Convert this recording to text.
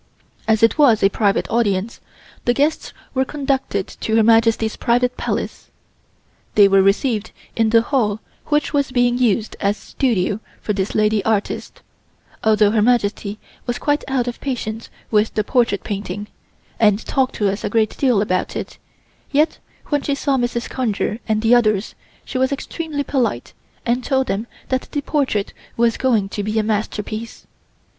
As it was a private audience, the guests were conducted to Her Majesty's private Palace. They were received in the hall which was being used as studio for this lady artist, although Her Majesty was out of patience with the portrait painting, and talked to us a great deal about it, yet when she saw Mrs. Conger and the others she was extremely polite and told them that the portrait was going to be a masterpiece.